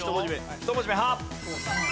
１文字目「は」。